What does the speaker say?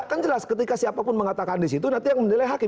kan jelas ketika siapapun mengatakan di situ nanti yang menilai hakim